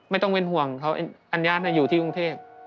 ไม่ต้องเป็นห่วงเขาอัญญาอยู่ที่กรุงเทพ